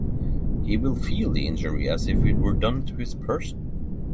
He will feel the injury as if it were done to his person.